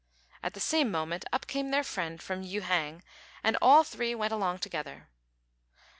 At the same moment up came their friend from Yü hang, and all three went along together.